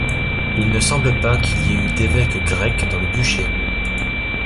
Il ne semble pas qu'il y ait eu d'évêque grec dans le duché.